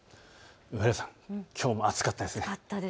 上原さん、きょうも暑かったですね。